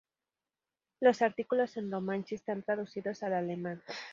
Los artículos en romanche están traducidos al alemán.